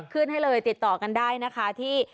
ขึ้นให้เลยติดต่อกันได้นะคะที่